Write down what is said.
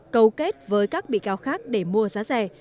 cấu kết với các bị cáo khác để mua giá rẻ